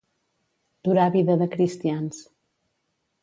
Durar vida de cristians.